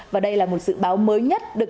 và đây là một dự báo mới nhất được